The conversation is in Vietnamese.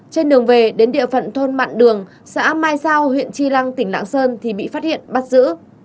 trên đường về đến địa phận thôn mặn đường xã mai giao huyện tri lăng tỉnh lạng sơn thì bị phát hiện bắt giữ